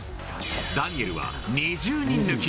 ダニエルは２０人抜き。